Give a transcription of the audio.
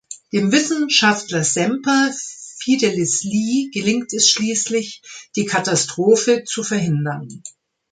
Dem Wissenschaftler Semper Fidelis Lee gelingt es schließlich, die Katastrophe zu verhindern.